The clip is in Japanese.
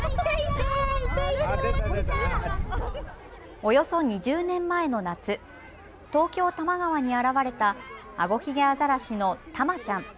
およそ２０年前の夏、東京多摩川に現れたアゴヒゲアザラシのタマちゃん。